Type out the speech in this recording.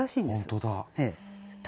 本当だ。